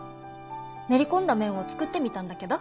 練り込んだ麺を作ってみたんだけど。